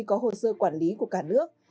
có hồ sơ quản lý của cả nước